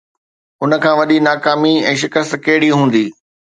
ان کان وڏي ناڪامي ۽ شڪست ڪهڙي هوندي؟